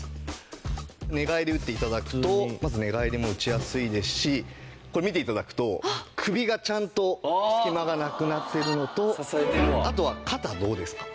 寝返りを打って頂くとまず寝返りも打ちやすいですしこれ見て頂くと首がちゃんと隙間がなくなってるのとあとは肩どうですか？